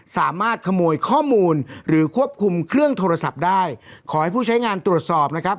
สามารถขโมยข้อมูลหรือควบคุมเครื่องโทรศัพท์ได้ขอให้ผู้ใช้งานตรวจสอบนะครับ